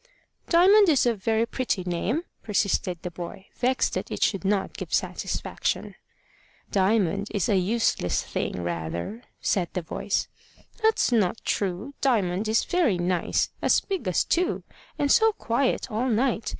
"Diamond is a very pretty name," persisted the boy, vexed that it should not give satisfaction. "Diamond is a useless thing rather," said the voice. "That's not true. Diamond is very nice as big as two and so quiet all night!